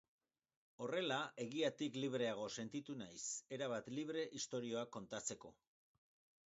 Horrela, egiatik libreago sentitu naiz, erabat libre istorioak kontatzeko.